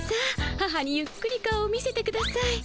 母にゆっくり顔を見せてください。